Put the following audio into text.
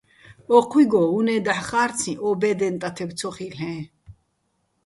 ო́ჴუჲგო, უ̂ნე́ დაჰ̦ ხა́რციჼ, ო ბე́დეჼ ტათებ ცო ხილ'ეჼ.